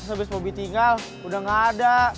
abis bobi tinggal udah gak ada